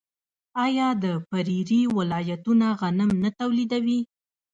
آیا د پریري ولایتونه غنم نه تولیدوي؟